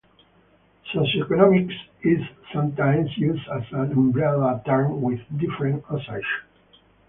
Socioeconomics is sometimes used as an umbrella term with different usages.